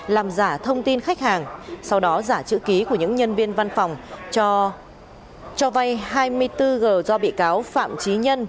làm giả thông tin khách hàng sau đó giả chữ ký của những nhân viên văn phòng cho vay hai mươi bốn g do bị cáo phạm trí nhân